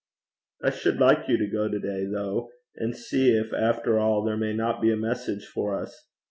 'I should like you to go to day, though; and see if, after all, there may not be a message for us.